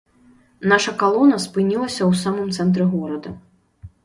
Наша калона спынілася ў самым цэнтры горада.